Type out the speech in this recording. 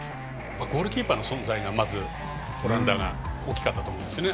ゴールキーパーの存在がオランダは大きかったと思うんですね。